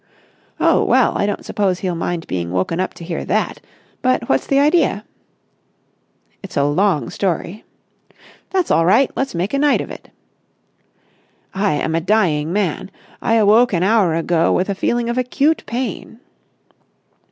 "Oh, well, I don't suppose he'll mind being woken up to hear that. But what's the idea?" "It's a long story." "That's all right. Let's make a night of it." "I am a dying man. I awoke an hour ago with a feeling of acute pain...."